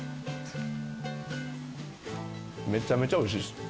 めちゃめちゃおいしいっす。